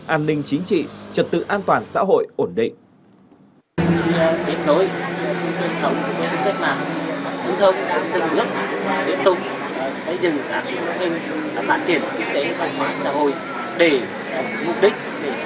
an ninh chính trị trật tự an toàn xã hội ổn định